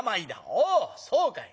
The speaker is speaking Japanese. おおそうかい。